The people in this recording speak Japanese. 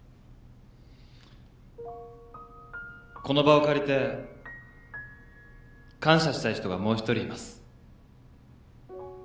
この場を借りて感謝したい人がもう一人います。